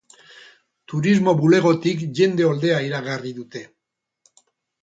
Turismo bulegotik jende oldea iragarri dute.